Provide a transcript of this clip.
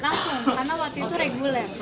langsung karena waktu itu reguler